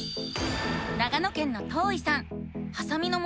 長野県のとういさん。